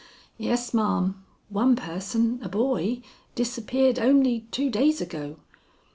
"Yes, ma'am. One person, a boy, disappeared only two days ago."